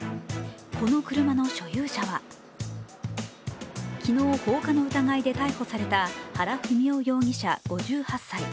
この車の所有者は昨日放火の疑いで逮捕された原文雄容疑者５８歳。